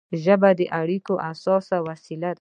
ژبه د اړیکو اساسي وسیله ده.